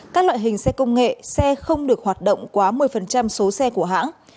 các loại hình xe công nghệ xe không được hoạt động quá một mươi số xe của hãng